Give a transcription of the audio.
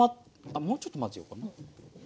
あっもうちょっと混ぜようかな。